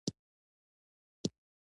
اندراب دره ولې شنه ده؟